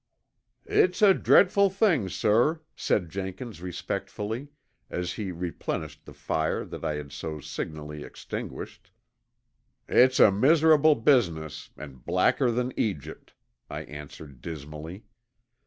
"It's a dreadful thing, sir," said Jenkins respectfully, as he replenished the fire that I had so signally extinguished. "It's a miserable business and blacker than Egypt," I answered dismally.